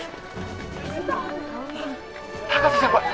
高瀬先輩。